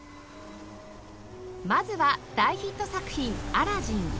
まずは大ヒット作品『アラジン』